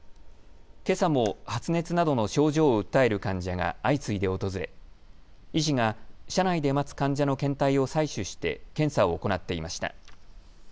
けさも発熱などの症状を訴える患者が相次いで訪れ医師が車内で待つ患者の検体を採取して検査を行っていました。